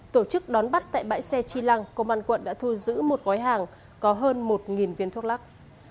tổ chức đón bắt tại bãi xe chi lăng công an quận đã thu giữ một gói hàng có hơn một viên thuốc lắc